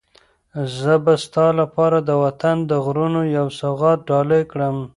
زه به ستا لپاره د وطن د غرونو یو سوغات ډالۍ کړم.